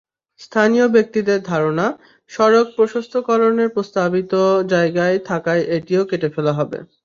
স্থানীয় ব্যক্তিদের ধারণা, সড়ক প্রশস্তকরণের প্রস্তাবিত জায়গায় থাকায় এটিও কেটে ফেলা হবে।